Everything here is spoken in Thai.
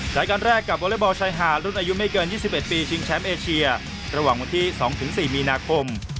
รายการแรกกับวอเล็กบอลชายหาดรุ่นอายุไม่เกิน๒๑ปีชิงแชมป์เอเชียระหว่างวันที่๒๔มีนาคม